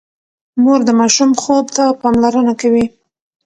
مور د ماشوم خوب ته پاملرنه کوي۔